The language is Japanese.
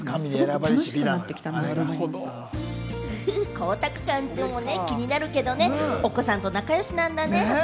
光沢感、気になるけれどもね、お子さんと仲良しなんだね。